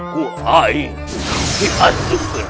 ku air di antusen